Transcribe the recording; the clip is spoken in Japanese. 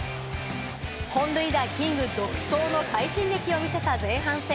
本塁打キング独走の快進撃を見せた前半戦。